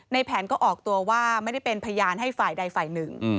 แผนก็ออกตัวว่าไม่ได้เป็นพยานให้ฝ่ายใดฝ่ายหนึ่ง